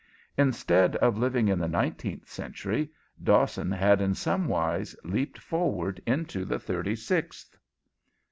Instead of living in the nineteenth century, Dawson had in some wise leaped forward into the thirty sixth.